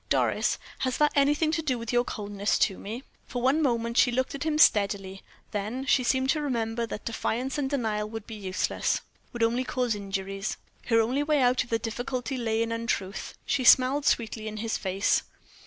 "Doris, has that anything to do with your coldness to me?" For one moment she looked at him steadily, then she seemed to remember that defiance and denial would be useless would only cause inquiries. Her only way out of the difficulty lay in untruth. She smiled sweetly in his face.